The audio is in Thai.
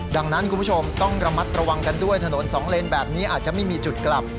ดังนั้นคุณผู้ชมต้องระมัดระวังกันด้วยถนนสองเลนแบบนี้อาจจะไม่มีจุดกลับ